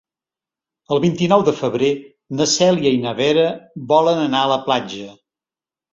El vint-i-nou de febrer na Cèlia i na Vera volen anar a la platja.